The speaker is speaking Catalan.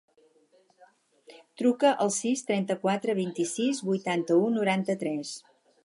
Truca al sis, trenta-quatre, vint-i-sis, vuitanta-u, noranta-tres.